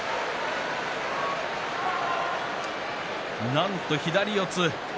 なんと左四つ。